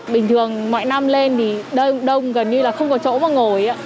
bình thường mọi năm lên thì đông gần như là không có chỗ mà ngồi